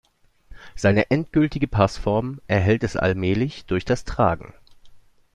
Seine endgültige Passform erhält es allmählich durch das Tragen.